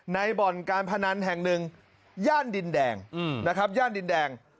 บ่อนการพนันแห่งหนึ่งย่านดินแดงนะครับย่านดินแดง